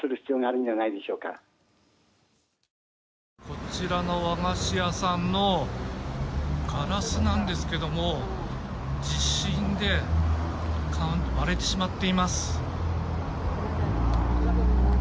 こちらの和菓子屋さんのガラスなんですけども地震で割れてしまっています。